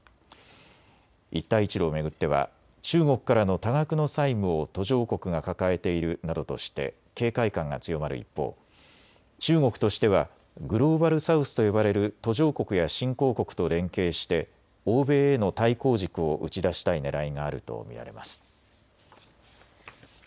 一帯一路を巡っては中国からの多額の債務を途上国が抱えているなどとして警戒感が強まる一方、中国としてはグローバル・サウスと呼ばれる途上国や新興国と連携して欧米への対抗軸を打ち出したいねらいがあると見られます。